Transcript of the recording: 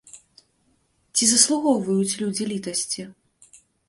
Ці заслугоўваюць людзі літасці?